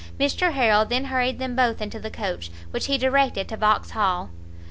Mr Harrel then hurried them both into the coach, which he directed to Vauxhall.